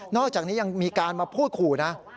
อกจากนี้ยังมีการมาพูดขู่นะ